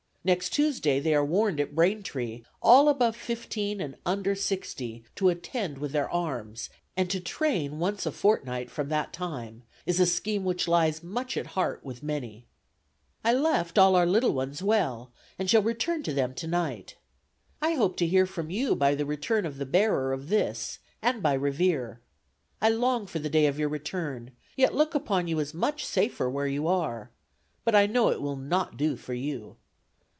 Next Tuesday they are warned at Braintree, all above fifteen and under sixty, to attend with their arms; and to train once a fortnight from that time is a scheme which lies much at heart with many. ... "I left all our little ones well, and shall return to them tonight. I hope to hear from you by the return of the bearer of this, and by Revere. I long for the day of your return, yet look upon you as much safer where you are but I know it will not do for you.